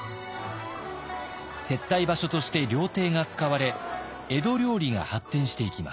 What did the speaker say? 接待場所として料亭が使われ江戸料理が発展していきます。